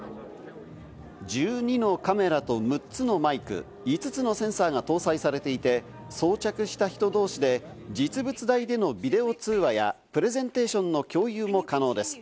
１２のカメラと６つのマイク、５つのセンサーが搭載されていて、装着した人同士で実物大でのビデオ通話やプレゼンテーションの共有も可能です。